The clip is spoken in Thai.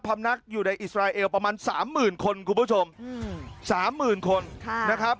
ำนักอยู่ในอิสราเอลประมาณสามหมื่นคนคุณผู้ชมสามหมื่นคนนะครับ